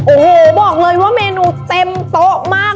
โอ้โหบอกเลยว่าเมนูเต็มโต๊ะมาก